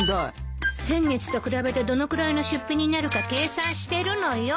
先月と比べてどのくらいの出費になるか計算してるのよ。